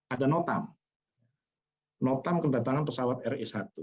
ada notam notam kedatangan pesawat re satu